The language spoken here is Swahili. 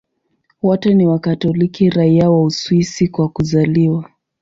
Wote ni Wakatoliki raia wa Uswisi kwa kuzaliwa.